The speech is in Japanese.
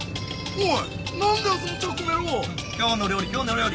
おい。